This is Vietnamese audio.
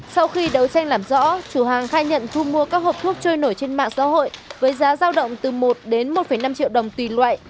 sau khi đấu tranh làm rõ chủ hàng khai nhận thu mua các hộp thuốc trôi nổi trên mạng xã hội với giá giao động từ một đến một năm triệu đồng tùy loại